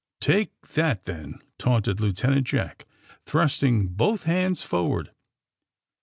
'^Take that, then!'^ taunted Lieutenant Jack, thrusting both hands forward.